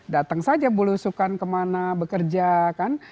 datang saja belusukan kemana bekerja kan